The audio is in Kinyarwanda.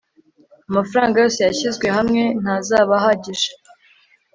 amafaranga yose yashyizwe hamwe ntazaba ahagije